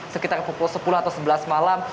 sekitar pukul sepuluh atau sebelas malam